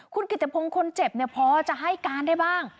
คุณกิจพงศ์คนเจ็บพอจะให้การได้บ้าง